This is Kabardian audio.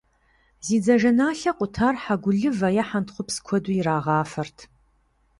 Зи дзажэналъэ къутар хьэгулывэ е хьэнтхъупс куэду ирагъафэрт.